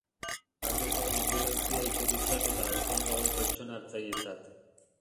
Har dezagun anbulantzia iturritzat eta autoan dagoen pertsona hartzailetzat.